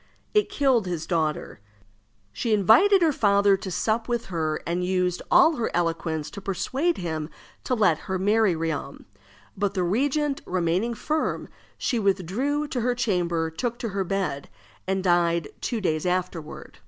It killed his daughter. She invited her father to sup with her, and used all her eloquence to persuade him to let her marry Riom; but the regent remaining firm, she withdrew to her chamber, took to her bed, and died two days afterward.